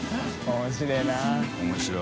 面白いな。